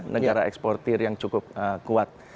negara eksportir yang cukup kuat